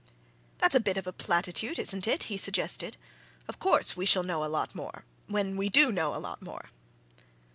"That's a bit of a platitude, isn't it?" he suggested. "Of course we shall know a lot more when we do know a lot more!"